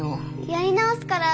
やり直すから。